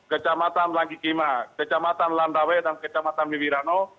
kejamatan langikima kejamatan landawet dan kejamatan miwirano